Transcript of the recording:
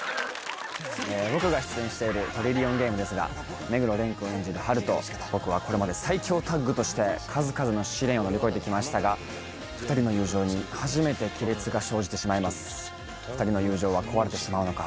僕が出演している「トリリオンゲーム」ですが目黒蓮くん演じるハルと僕はこれまで最強タッグとして数々の試練を乗り越えてきましたが２人の友情に初めて亀裂が生じてしまいます２人の友情は壊れてしまうのか？